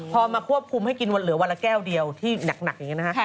พอมาควบคุมให้กินวันเหลือวันละแก้วเดียวที่หนักอย่างนี้นะคะ